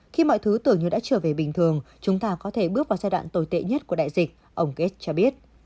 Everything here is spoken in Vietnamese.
khi mọi thứ tưởng như đã trở về bình thường chúng ta có thể bước vào giai đoạn tồi tệ nhất của đại dịch ông gate cho biết